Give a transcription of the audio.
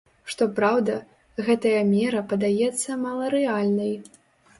Што праўда, гэтая мера падаецца маларэальнай.